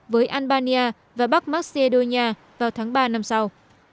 với albania và bắc macedonia vào tháng ba năm sau